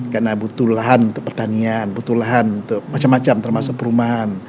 karena butuh lahan untuk pertanian butuh lahan untuk macam macam termasuk perumahan